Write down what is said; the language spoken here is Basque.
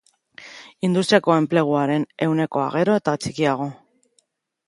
Industriako enpleguaren ehunekoa gero eta txikiagoa